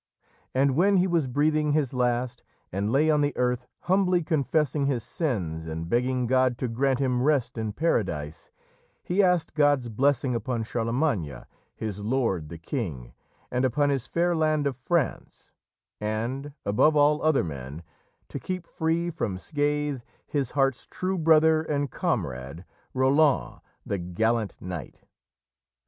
And when he was breathing his last, and lay on the earth, humbly confessing his sins and begging God to grant him rest in Paradise, he asked God's blessing upon Charlemagne, his lord the king, and upon his fair land of France, and, above all other men, to keep free from scathe his heart's true brother and comrade, Roland, the gallant knight.